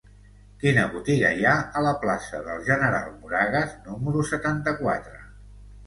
Quina botiga hi ha a la plaça del General Moragues número setanta-quatre?